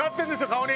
顔に！